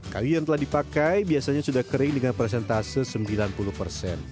kayu yang telah dipakai biasanya sudah kering dengan presentase sembilan puluh persen